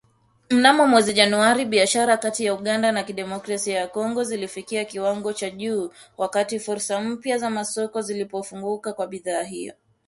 Mnamo mwezi Januari, biashara kati ya Uganda na Jamuhuri ya kidemokrasia ya Kongo ilifikia kiwango cha juu, wakati fursa mpya za masoko zilipofunguka kwa bidhaa ilo